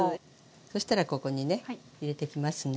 そしたらここにね入れていきますね。